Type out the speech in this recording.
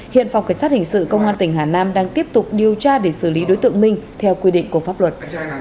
hiện phòng cảnh sát hình sự công an tỉnh hà nam đang tiếp tục điều tra để xử lý đối tượng minh theo quy định của pháp luật